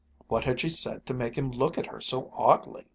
What had she said to make him look at her so oddly?